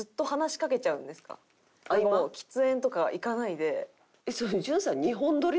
喫煙とか行かないで。